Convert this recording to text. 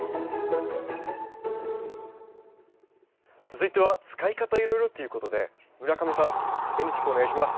続いては「使い方いろいろ」ということで村上さんセンニチコウお願いします。